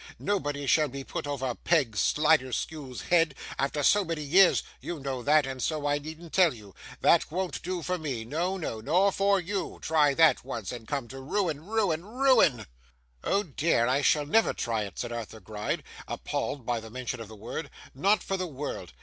Nobody shall be put over Peg Sliderskew's head, after so many years; you know that, and so I needn't tell you! That won't do for me no, no, nor for you. Try that once, and come to ruin ruin ruin!' 'Oh dear, dear, I shall never try it,' said Arthur Gride, appalled by the mention of the word, 'not for the world.